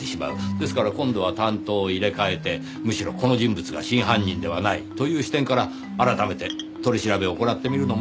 ですから今度は担当を入れ替えてむしろ「この人物が真犯人ではない」という視点から改めて取り調べを行ってみるのもいいかもしれませんねぇ。